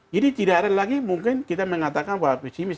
jadi tidak ada lagi mungkin kita mengatakan bahwa pesimis